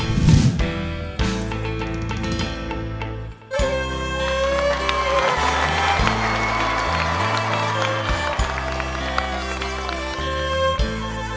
ขอบคุณครับ